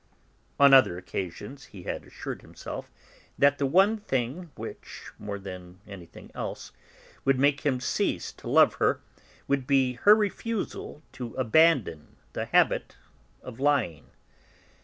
On other occasions he had assured himself that the one thing which, more than anything else, would make him cease to love her, would be her refusal to abandon the habit of lying.